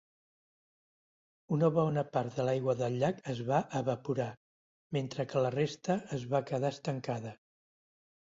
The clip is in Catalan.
Una bona part de l'aigua del llac es va evaporar, mentre que la resta es va quedar estancada.